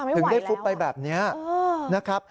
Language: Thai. ถึงได้ฟุบไปแบบนี้นะครับ